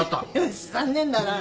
残念だな。